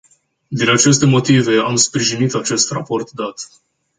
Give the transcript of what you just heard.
Din aceste motive, am sprijinit acest raport dat.